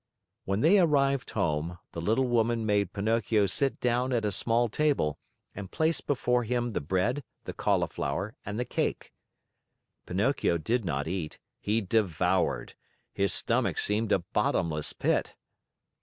When they arrived home, the little woman made Pinocchio sit down at a small table and placed before him the bread, the cauliflower, and the cake. Pinocchio did not eat; he devoured. His stomach seemed a bottomless pit.